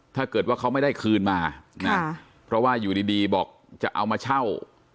ถ้าเกิดว่าเขาไม่ได้คืนมานะเพราะว่าอยู่ดีบอกจะเอามาเช่า